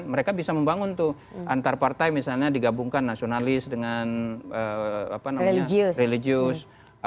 mereka bisa membangun tuh antar partai misalnya digabungkan nasionalis dengan religius